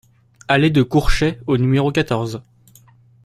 Allée de Courchet au numéro quatorze